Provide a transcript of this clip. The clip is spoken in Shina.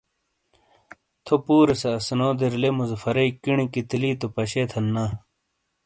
تھو پُورے سے اَسَنو دِرلے مظفرے کِینی کِیتلی تو پَشیتھَن نا۔